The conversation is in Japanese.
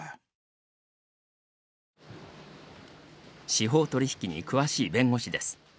司法取引に詳しい弁護士です。